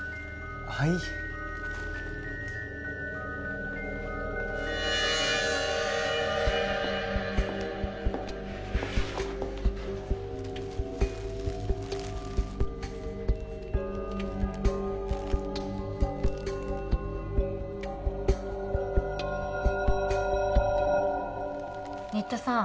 はい新田さん